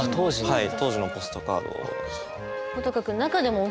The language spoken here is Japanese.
はい。